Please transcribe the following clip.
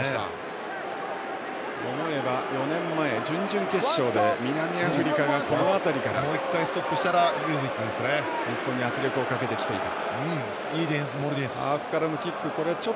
思えば４年前、準々決勝で南アフリカが、この辺りから日本に圧力をかけてきていた。